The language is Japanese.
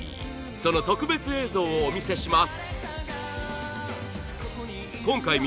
その特別映像をお見せします